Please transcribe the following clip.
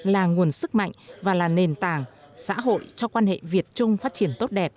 là nguồn sức mạnh và là nền tảng xã hội cho quan hệ việt trung phát triển tốt đẹp